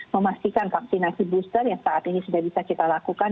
memastikan vaksinasi booster yang saat ini sudah bisa kita lakukan